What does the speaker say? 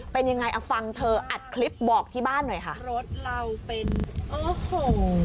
เป็นยังไงอ่ะฟังเธออัดคลิปบอกที่บ้านหน่อยค่ะรถเราเป็นโอ้โห